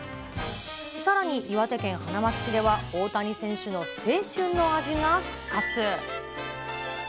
さらに、岩手県花巻市では、大谷選手の青春の味が復活。